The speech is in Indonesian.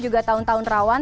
juga tahun tahun rawan